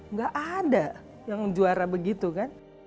nggak ada yang juara begitu kan